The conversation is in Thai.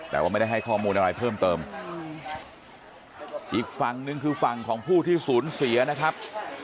แต่ว่าไม่ได้ให้ข้อมูลอะไรเพิ่มเติมอีกฝั่งหนึ่งคือฝั่งของผู้ที่สูญเสียนะครับ